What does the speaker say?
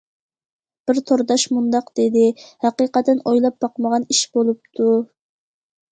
بىر تورداش مۇنداق دېدى:« ھەقىقەتەن ئويلاپ باقمىغان ئىش بولۇپتۇ».